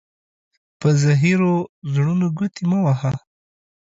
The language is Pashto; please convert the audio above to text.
په زهيرو زړونو گوتي مه وهه.